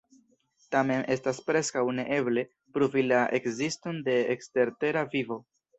Tamen estas preskaŭ ne eble, pruvi la ekziston de ekstertera vivo.